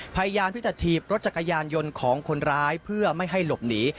พยายามที่จะถีบรถจักรยานยนต์ของคนร้ายเพื่อไม่ให้หลบหนี